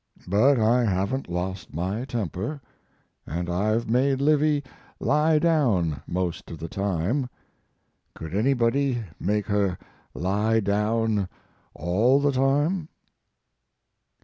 But I haven't lost my temper, and I've made Livy lie down most of the time; could anybody make her lie down all the time?